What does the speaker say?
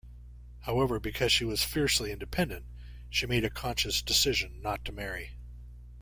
However, because she was fiercely independent, she made a conscious decision not to marry.